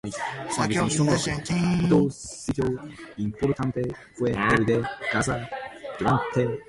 Encouraged by the positive British reviews Professor Ing.